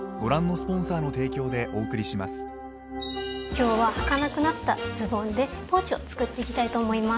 今日ははかなくなったズボンでポーチを作っていきたいと思います。